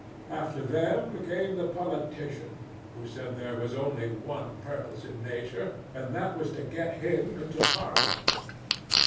After them came the politician, who said there was only one purpose in Nature, and that was to get him into parliament.